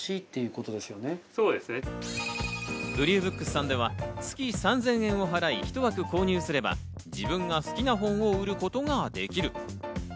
ＢＲＥＷＢＯＯＫＳさんでは月３０００円を払い、１枠購入すれば、自分が好きな本を売ることができる。